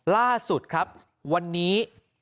ล่าสุดครับวันนี้